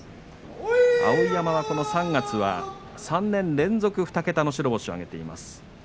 碧山はこの３月は３年連続２桁の白星を挙げています。